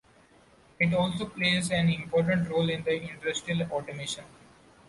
It also plays an important role in industrial automation.